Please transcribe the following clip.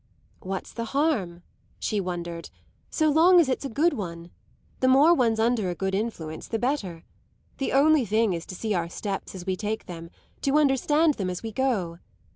"What's the harm," she wondered, "so long as it's a good one? The more one's under a good influence the better. The only thing is to see our steps as we take them to understand them as we go.